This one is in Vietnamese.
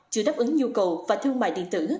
chưa đáp ứng nhu cầu và thương mại điện tử